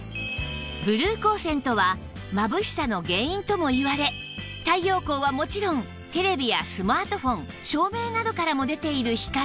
ブルー光線とはまぶしさの原因ともいわれ太陽光はもちろんテレビやスマートフォン照明などからも出ている光